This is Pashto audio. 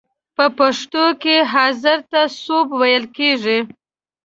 په پښتو کې حاضر ته سوب ویل کیږی.